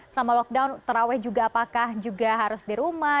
selama lockdown terawih juga apakah juga harus di rumah